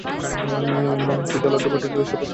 তুই যা লাড্ডু পাঠিয়েছিলি সব বাচ্চারা খেয়ে নিয়েছে!